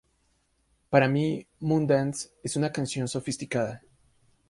Para mí, "Moondance" es una canción sofisticada.